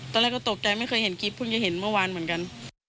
ตอนแรกก็ตกใจไม่เคยเห็นคลิปเพิ่งจะเห็นเมื่อวานเหมือนกัน